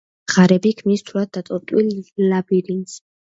ღარები ქმნის რთულად დატოტვილ ლაბირინთს.